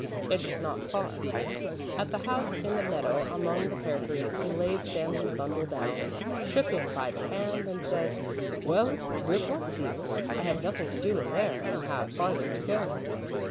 It was not far. At the house in the meadow among the pear trees he laid Sami's bundle down, shook him by the hand and said: "Well, good luck to you. I have nothing to do in there and have farther to go."